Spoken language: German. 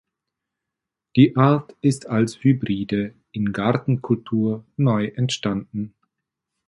Die Art ist als Hybride in Gartenkultur neu entstanden.